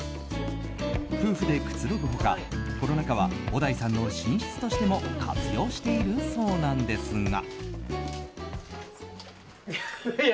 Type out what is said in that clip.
夫婦でくつろぐ他、コロナ禍は小田井さんの寝室としても活用しているそうなんですが。